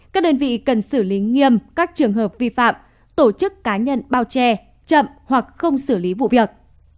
các đơn vị cần xử lý nghiêm các trường hợp vi phạm tổ chức cá nhân bao che chậm hoặc không xử lý vụ việc